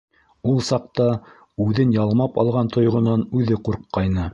Ул саҡта үҙен ялмап алған тойғоһонан үҙе ҡурҡҡайны.